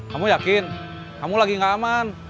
kamu yakin kamu lagi gak aman